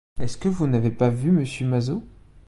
Est-ce que vous n'avez pas vu Monsieur Mazaud?